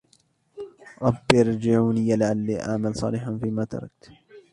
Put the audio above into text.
رَبِّ ارْجِعُونِ لَعَلِّي أَعْمَلُ صَالِحًا فِيمَا تَرَكْتُ